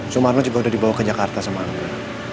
sumarno juga udah dibawa ke jakarta sama allah